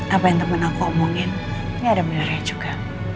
apa yang temen aku omongin gak ada beneran juga